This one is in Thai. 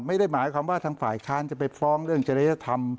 ไม่ได้หมายความว่าทางฝ่ายค้านจะไปฟ้องเรื่องจริยธรรม